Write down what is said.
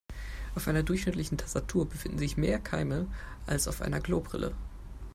Auf einer durchschnittlichen Tastatur befinden sich mehr Keime als auf einer Klobrille.